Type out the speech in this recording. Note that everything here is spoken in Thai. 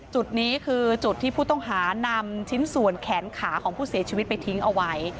จุดนี้คือจุดที่ผู้ต้องหานำชิ้นส่วนแขนขาของผู้เสียชีวิตไปทิ้งเอาไว้